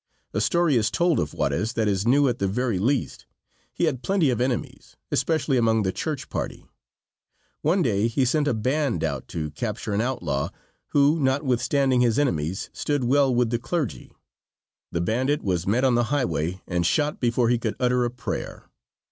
A story is told of Juarez that is new at the very least. He had plenty of enemies, especially among the church party. One day he sent a band out to capture an outlaw, who, notwithstanding his enemies, stood well with the clergy. The bandit was met on the highway and shot before he could utter a prayer.